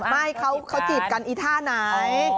ไม่เขาจีบกันอีท่าไหน